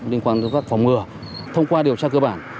liên quan đến phòng mưa thông qua điều tra cơ bản